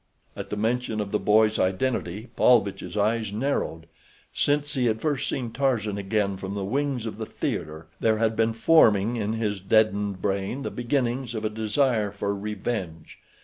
At the mention of the boy's identity Paulvitch's eyes narrowed. Since he had first seen Tarzan again from the wings of the theater there had been forming in his deadened brain the beginnings of a desire for revenge.